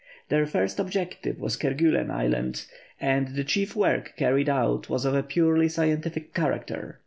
Their first objective was Kerguellen Island, and the chief work carried out was of a purely scientific character.